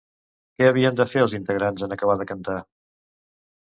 Què havien de fer els integrants en acabar de cantar?